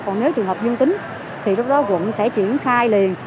còn nếu trường hợp dân tính thì lúc đó quận sẽ chuyển sai liền